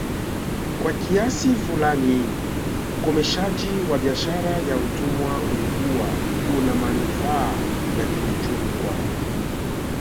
Kwa kiasi fulani ukomeshaji wa biashara ya utumwa ulikuwa unamanufaa ya kiuchumi kwao